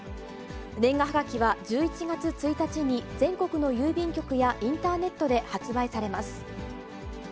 年賀はがきは１１月１日に、全国の郵便局やインターネットで発売されます。